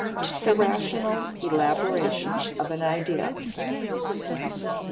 The rational elaboration of an idea] 4.